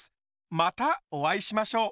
またお会いしましょう！